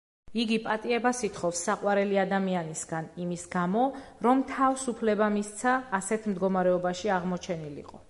იგი პატიებას ითხოვს საყვარელი ადამიანისგან, იმის გამო, რომ თავს უფლება მისცა, ასეთ მდგომარეობაში აღმოჩენილიყო.